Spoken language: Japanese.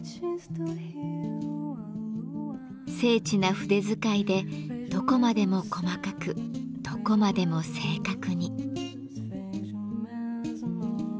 精緻な筆使いでどこまでも細かくどこまでも正確に。